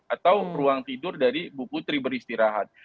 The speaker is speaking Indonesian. atau ruang tidur dari bu putri beristirahat